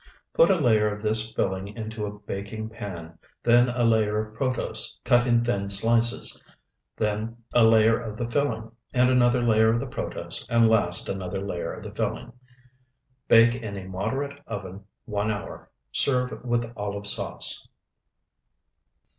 Put a layer of this filling into a baking pan, then a layer of protose cut in thin slices, then a layer of the filling, and another layer of the protose, and last another layer of the filling. Bake in a moderate oven one hour. Serve with olive sauce.